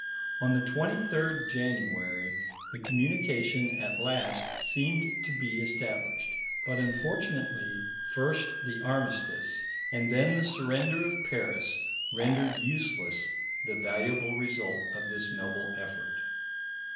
On the 23rd January the communication at last seemed to be established, but unfortunately, first the armistice and then the surrender of Paris rendered useless the valuable result of this noble effort.